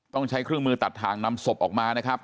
ต้องใช้เครื่องมือตัดทางนำศพออกมานะครับ